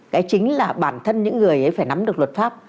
cái chính là bản thân những người ấy phải nắm được luật pháp